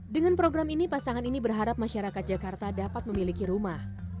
dengan program ini pasangan ini berharap masyarakat jakarta dapat memiliki rumah